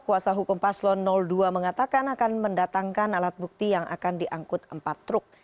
kuasa hukum paslon dua mengatakan akan mendatangkan alat bukti yang akan diangkut empat truk